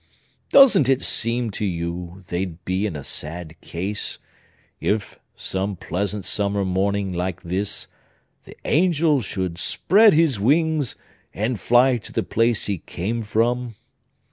Don't it seem to you they'd be in a sad case, if, some pleasant summer morning like this, the angel should spread his wings, and fly to the place he came from?